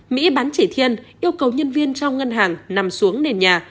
mỹ bán chỉ thiên yêu cầu nhân viên trong ngân hàng nằm xuống nền nhà